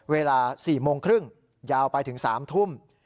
เวลา๔โมงครึ่งยาวไปถึง๓ทุ่ม